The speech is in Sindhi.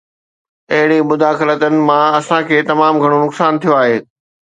اهڙين مداخلتن مان اسان کي تمام گهڻو نقصان ٿيو آهي.